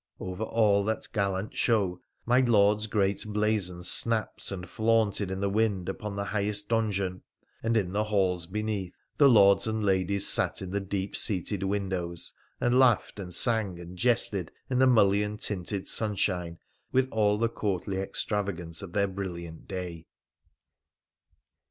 Over all that gallant show my Lord's great blazon snapped and flaunted in the wind upon the highest donjon ; and in the halls beneath the lords and ladies sat in the deep seated windows, and laughed and sang and jested in the mullion tinted sunshine with all tha courtly extravagance of their brilliant day.